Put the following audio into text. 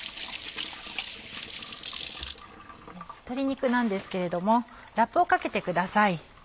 鶏肉なんですけれどもラップをかけてください。